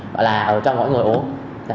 gọi là ừ cho mỗi người uống